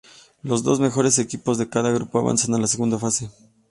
Los dos mejores equipo de cada grupo avanzan a la segunda fase.